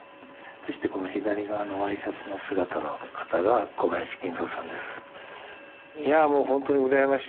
そしてこの左側のワイシャツの姿の方が小林金三さんです。